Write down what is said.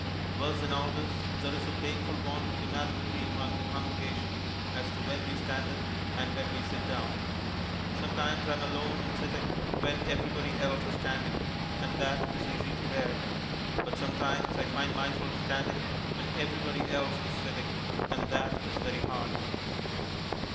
Worse than all this, there is a painful want of unanimity among the congregation as to when we stand up and when we sit down. Sometimes I am alone and sitting when everybody else is standing, and that is easy to bear; but sometimes I find myself standing when everybody else is sitting, and that is very hard.